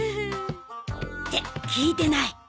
って聞いてない。